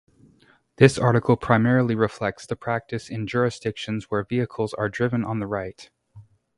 This article primarily reflects practice in jurisdictions where vehicles are driven on the right.